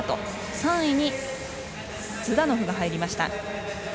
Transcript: ３位にズダノフが入りました。